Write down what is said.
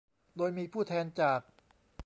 โดยมีผู้แทนจาก